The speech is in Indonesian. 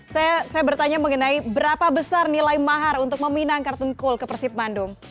saya bertanya mengenai berapa besar nilai mahar untuk meminang kartun cool ke persib bandung